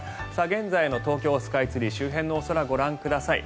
現在の東京スカイツリー周辺のお空、ご覧ください。